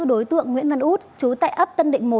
đối tượng nguyễn văn út chú tại ấp tân định một